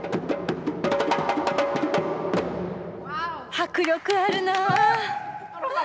迫力あるな！